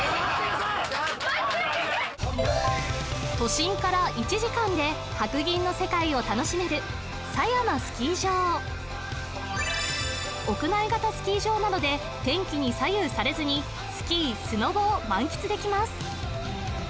都心から１時間で白銀の世界を楽しめる狭山スキー場屋内型スキー場なので天気に左右されずにスキースノボを満喫できます